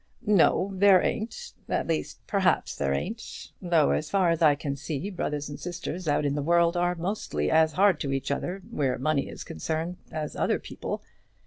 "No; there ain't; at least perhaps there ain't. Though as far as I can see, brothers and sisters out in the world are mostly as hard to each other where money is concerned as other people.